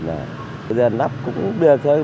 bây giờ lắp cũng được thôi